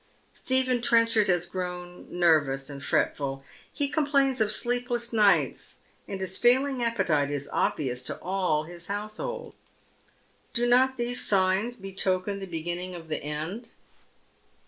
Stephen Trenchard has grown nervous and fi etful. He com plains of sleepless nights, and his failing appetite is obvious to all his household. Do not these signs betoken the beginning of the end